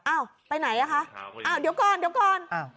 ไปไหนอ่ะคะอ้าวเดี๋ยวก่อนเดี๋ยวก่อน